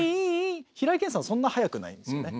平井堅さんはそんな速くないんですよね。